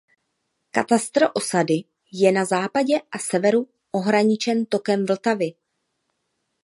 Katastr osady je na západě a severu ohraničen tokem Vltavy.